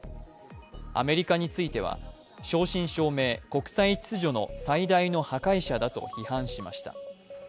アメリカについては、正真正銘、国際秩序の最大の破壊者だと批判しました。